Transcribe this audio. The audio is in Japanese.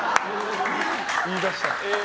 言い出した。